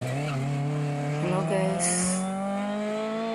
This is the Church-Turing thesis.